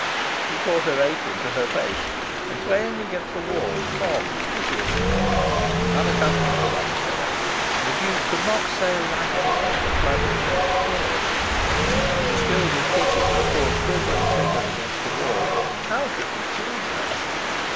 She caught her apron to her face and, swaying against the wall, sobbed piteously. Unaccustomed to love affairs, the Duke could not sail lightly over a flood of woman's tears. He was filled with pity for the poor quivering figure against the wall. How should he soothe her?